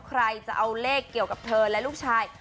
ใครจะเอาเลขเกี่ยวกับเธอและลูกชาย